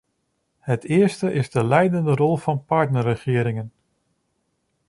Het eerste is de leidende rol van partnerregeringen.